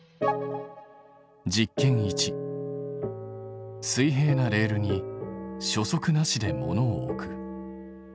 実験１水平なレールに初速なしで物を置く。